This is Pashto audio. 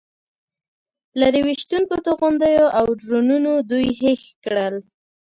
لرې ویشتونکو توغندیو او ډرونونو دوی هېښ کړل.